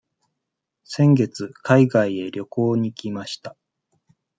先月海外へ旅行に行きました。